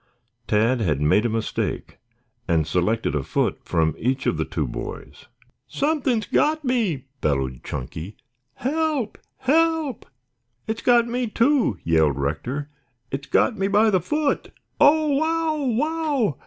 Tad had made a mistake and selected a foot from each of the two boys. "Something's got me!" bellowed Chunky. "Help, help!" "It's got me, too," yelled Rector. "It's got me by the foot." "Oh, wow, wow!